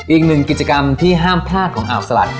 อีกหนึ่งกิจกรรมที่ห้ามพลาดของอ่าวสลัด